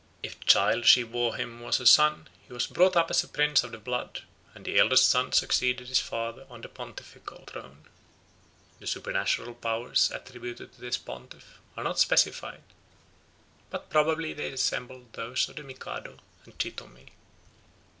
If the child she bore him was a son, he was brought up as a prince of the blood, and the eldest son succeeded his father on the pontifical throne. The supernatural powers attributed to this pontiff are not specified, but probably they resembled those of the Mikado and Chitomé.